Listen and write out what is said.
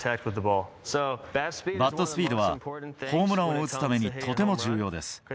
バットスピードは、ホームランを打つためにとても重要です。